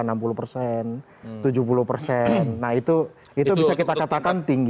nah itu bisa kita katakan tinggi